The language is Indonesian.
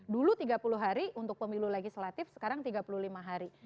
dulu tiga puluh hari untuk pemilu legislatif sekarang tiga puluh lima hari